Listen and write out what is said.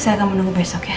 saya akan menunggu besok ya